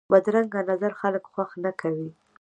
بدرنګه نظر خلک خوښ نه کوي